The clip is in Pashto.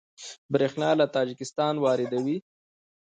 بریښنا له تاجکستان واردوي